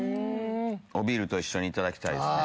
おビールと一緒にいただきたいですね。